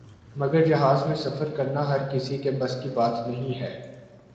مگر جہاز میں سفر کرنا ہر کسی کے بس کی بات نہیں ہے ۔